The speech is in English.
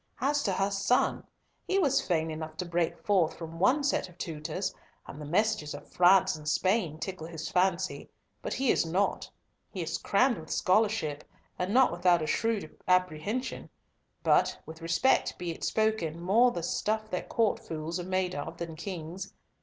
As to her son, he was fain enough to break forth from one set of tutors, and the messages of France and Spain tickled his fancy—but he is nought. He is crammed with scholarship, and not without a shrewd apprehension; but, with respect be it spoken, more the stuff that court fools are made of than kings.